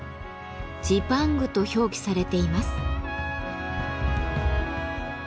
「ジパング」と表記されています。